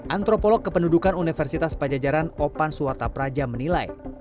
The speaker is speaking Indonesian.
antropolog kependudukan universitas pajajaran opan suwarta praja menilai